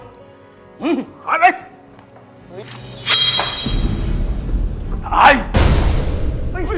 หลุดหายไป